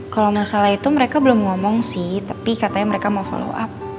kalau masalah itu mereka belum ngomong sih tapi katanya mereka mau follow up